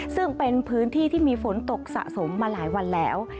ซึ่งเป็นพื้นที่ที่มีฝนตกสะสมมาหลายวันแล้ว